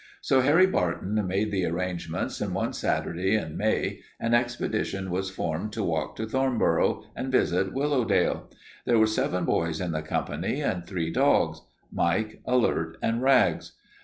So Harry Barton made the arrangements and one Saturday in May an expedition was formed to walk to Thornboro and visit Willowdale. There were seven boys in the company and three dogs Mike, Alert, and Rags.